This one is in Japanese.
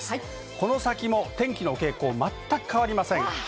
この先の天気の傾向、全く変わりません。